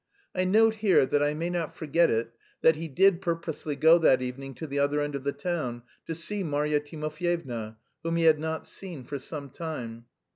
I note here that I may not forget it that he did purposely go that evening to the other end of the town to see Marya Timofyevna, whom he had not seen for some time.